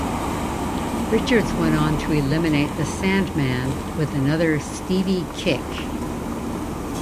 Richards went on to eliminate The Sandman with another "Stevie Kick".